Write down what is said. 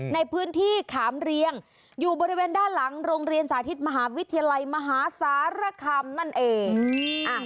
ในพื้นที่ขามเรียงอยู่บริเวณด้านหลังโรงเรียนสาธิตมหาวิทยาลัยมหาสารคามนั่นเอง